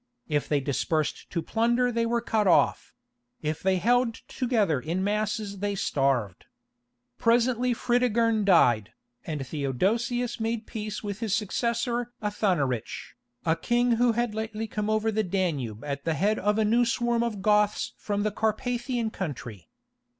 If they dispersed to plunder they were cut off; if they held together in masses they starved. Presently Fritigern died, and Theodosius made peace with his successor Athanarich, a king who had lately come over the Danube at the head of a new swarm of Goths from the Carpathian country.